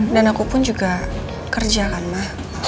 dan aku pun juga kerja kan ma